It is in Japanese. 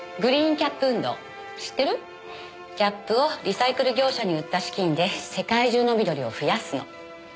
キャップをリサイクル業者に売った資金で世界中の緑を増やすの。